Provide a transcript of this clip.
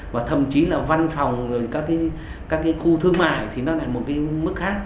và thậm chí là văn phòng rồi các cái khu thương mại thì nó lại một cái mức khác